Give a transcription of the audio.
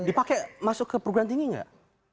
dipake masuk ke program tinggi nggak